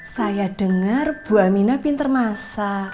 saya dengar bu aminah pinter masak